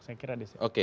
saya kira disitu